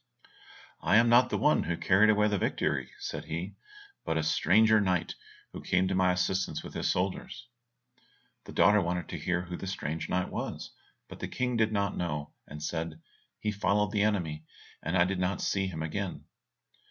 "I am not the one who carried away the victory," said he, "but a stranger knight who came to my assistance with his soldiers." The daughter wanted to hear who the strange knight was, but the King did not know, and said, "He followed the enemy, and I did not see him again."